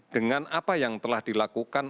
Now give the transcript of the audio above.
dengan apa yang telah dilakukan